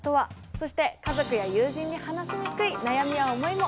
そして家族や友人に話しにくい悩みや思いもお待ちしています。